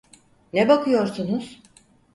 Ne bakıyorsunuz?